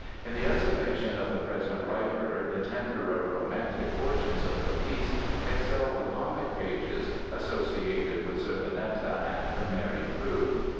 In the estimation of the present writer the tenderer romantic portions of the piece excel the comic pages associated with Zerbinetta and her merry crew.